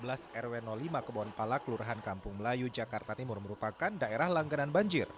rw lima kebonpala kelurahan kampung melayu jakarta timur merupakan daerah langganan banjir